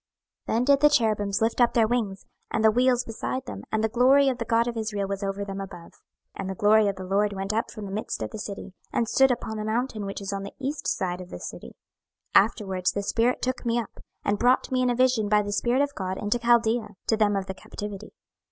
26:011:022 Then did the cherubims lift up their wings, and the wheels beside them; and the glory of the God of Israel was over them above. 26:011:023 And the glory of the LORD went up from the midst of the city, and stood upon the mountain which is on the east side of the city. 26:011:024 Afterwards the spirit took me up, and brought me in a vision by the Spirit of God into Chaldea, to them of the captivity.